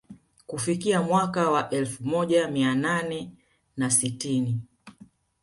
Kufikia mwaka wa elfu moja mia nane na sitini